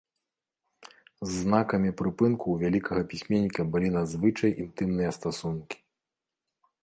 З знакамі прыпынку ў вялікага пісьменніка былі надзвычай інтымныя стасункі.